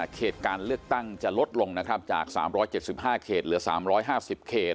เขตการเลือกตั้งจะลดลงนะครับจากสามร้อยเจ็ดสิบห้าเขตเหลือสามร้อยห้าสิบเขต